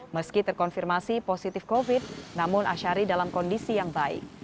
meski terkonfirmasi positif covid namun asyari dalam kondisi yang baik